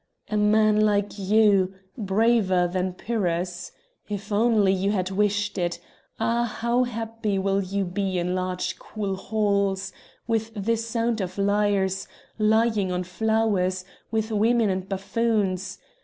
A man like you, braver than Pyrrhus! If only you had wished it! Ah! how happy will you be in large cool halls, with the sound of lyres, lying on flowers, with women and buffoons!